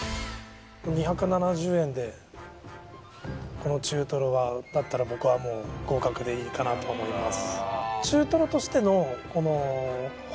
２７０円でこの中とろだったら僕はもう合格でいいかなと思います